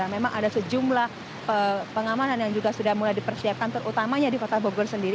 dan memang ada sejumlah pengamanan yang juga sudah mulai dipersiapkan terutamanya di kota bogor sendiri